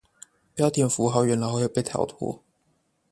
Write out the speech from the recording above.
標點符號原來會被逃脫